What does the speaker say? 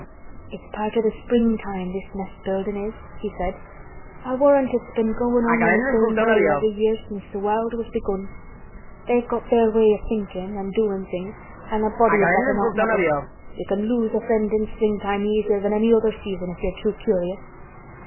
"It's part o' th' springtime, this nest buildin' is," he said. "I warrant it's been goin' on in th' same way every year since th' world was begun. They've got their way o' thinkin' and doin' things an' a body had better not meddle. You can lose a friend in springtime easier than any other season if you're too curious."